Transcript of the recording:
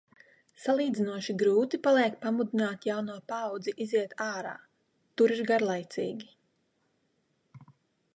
Salīdzinoši grūti paliek pamudināt jauno paaudzi iziet ārā. Tur ir garlaicīgi.